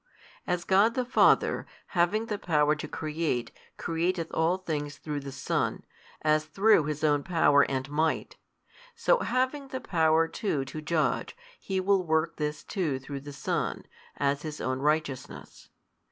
|260 As God the Father, having the Power to create, createth all things through the Son, as through His own Power and Might: so having the Power too to judge, He will work this too through the Son, as His Own Righteousness.